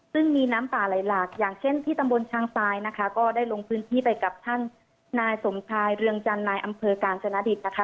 ซึ่งมีน้ำป่าไหลหลากอย่างเช่นที่ตำบลช้างทรายนะคะก็ได้ลงพื้นที่ไปกับท่านนายสมชายเรืองจันทร์นายอำเภอกาญจนดิตนะคะ